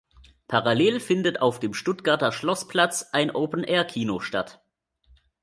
Parallel findet auf dem Stuttgarter Schlossplatz ein Open-Air-Kino statt.